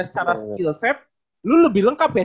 secara skillset lu lebih lengkap ya